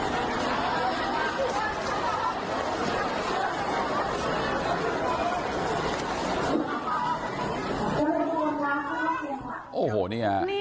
เชิงชู้สาวกับผอโรงเรียนคนนี้